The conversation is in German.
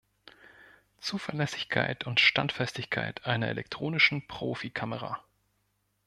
Zuverlässigkeit und Standfestigkeit einer elektronischen Profi-Kamera.